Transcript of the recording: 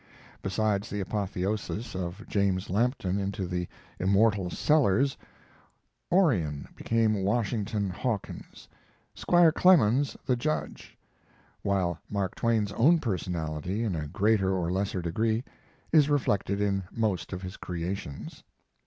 Besides the apotheosis of James Lampton into the immortal Sellers, Orion became Washington Hawkins, Squire Clemens the judge, while Mark Twain's own personality, in a greater or lesser degree, is reflected in most of his creations.